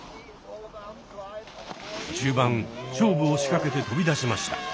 中盤勝負を仕掛けて飛び出しました。